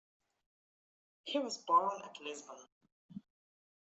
He was born at Lisbon.